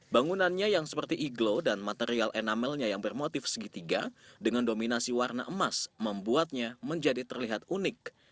bangunannya yang seperti iglo dan material enamelnya yang bermotif segitiga dengan dominasi warna emas membuatnya menjadi terlihat unik